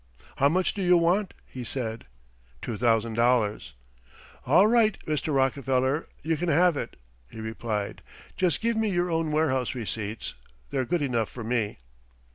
"How much do you want?" he said. "Two thousand dollars." "All right, Mr. Rockefeller, you can have it," he replied. "Just give me your own warehouse receipts; they're good enough for me."